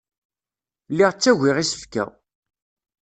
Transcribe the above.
Lliɣ ttagiɣ isefka.